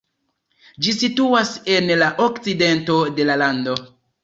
Ĝi situas en la okcidento de la lando.